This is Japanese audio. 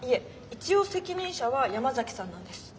一応責任者は山崎さんなんです。